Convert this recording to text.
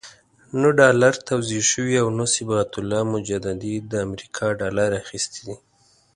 نه ډالر توزیع شوي او نه صبغت الله مجددي د امریکا ډالر اخیستي دي.